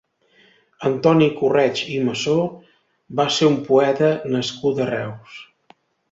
Antoni Correig i Massó va ser un poeta nascut a Reus.